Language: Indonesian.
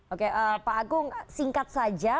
oke pak agung singkat saja